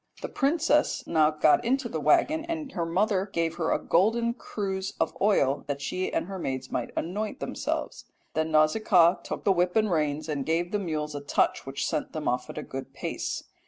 The princess now got into the waggon, and her mother gave her a golden cruse of oil that she and her maids might anoint themselves. "Then Nausicaa took the whip and reins and gave the mules a touch which sent them off at a good pace.